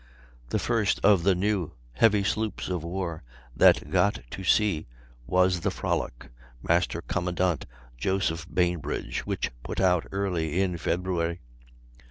The first of the new heavy sloops of war that got to sea was the Frolic, Master Commandant Joseph Bainbridge, which put out early in February.